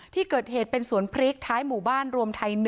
ที่เกิดเหตุเป็นสวนพริกท้ายหมู่บ้านรวมไทย๑